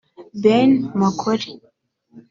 Ben Makori